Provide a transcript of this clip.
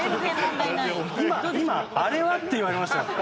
今、あれはって言われましたよ。